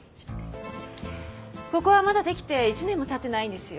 ここはまだできて１年もたってないんですよ。